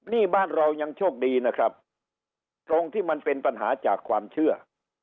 นี่บ้านเรายังโชคดีนะครับตรงที่มันเป็นปัญหาจากความเชื่อ